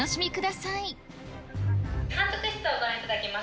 監督室をご覧いただきます。